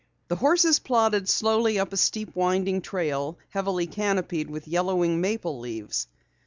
The horses plodded slowly up a steep, winding trail heavily canopied with yellowing maple leaves.